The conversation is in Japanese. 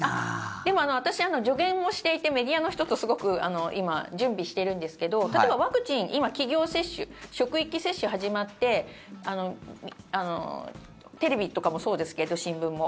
でも私、助言をしていてメディアの人とすごく今、準備しているんですけど例えばワクチン、今企業接種、職域接種が始まってテレビとかもそうですけど新聞も。